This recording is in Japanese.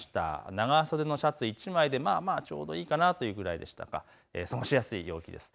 長袖のシャツ１枚でちょうどいいかなというくらい、過ごしやすい陽気です。